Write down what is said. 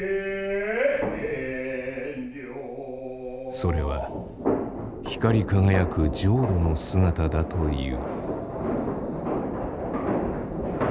それは光り輝く浄土の姿だという。